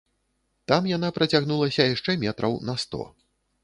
Там яна працягнулася яшчэ метраў на сто.